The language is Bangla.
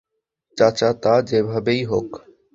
চাই তা যেভাবেই হোক।